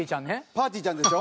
ぱーてぃーちゃんでしょ。